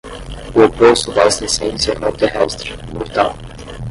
O oposto desta essência é o terrestre, o mortal.